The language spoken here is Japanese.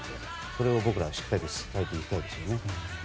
これを僕らはしっかりと支えていきたいですよね。